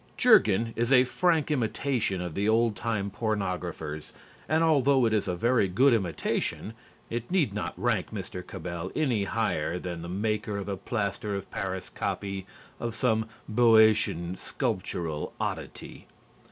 "Jurgen" is a frank imitation of the old time pornographers and although it is a very good imitation, it need not rank Mr. Cabell any higher than the maker of a plaster of paris copy of some Boeotian sculptural oddity.